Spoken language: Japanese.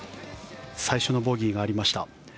最初のボギーがありました。